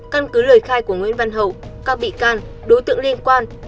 căn cứ lời khai của nguyễn văn hậu các bị can đối tượng liên quan